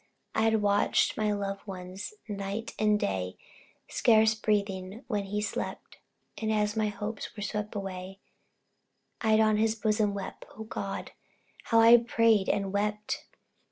I'd watched my loved one, night and day. Scarce breathing when he slept; And as my hopes were swept away, I'd on his bosom wept O God! How had I prayed and wept!